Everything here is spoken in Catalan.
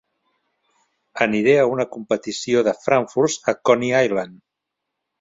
Aniré a una competició de frankfurts a Coney Island.